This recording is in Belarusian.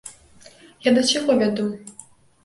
Я да чаго вяду.